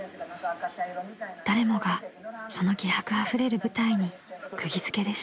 ［誰もがその気迫あふれる舞台に釘付けでした］